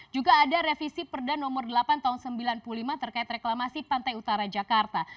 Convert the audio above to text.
juga ada revisi perda nomor delapan tahun seribu sembilan ratus sembilan puluh lima terkait reklamasi pantai utara jakarta